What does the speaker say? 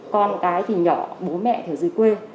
con cái thì nhỏ bố mẹ thì dưới quê